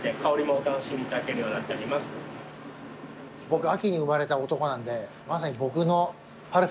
僕秋に生まれた男なんでまさに僕のパルフェですね。